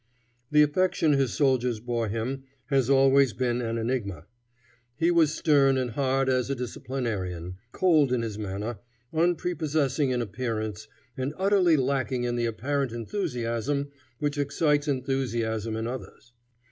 The affection his soldiers bore him has always been an enigma. He was stern and hard as a disciplinarian, cold in his manner, unprepossessing in appearance, and utterly lacking in the apparent enthusiasm which excites enthusiasm in others.